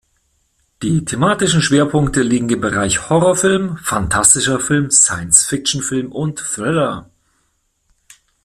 Die thematischen Schwerpunkte liegen im Bereich Horrorfilm, Phantastischer Film, Science-Fiction-Film und Thriller.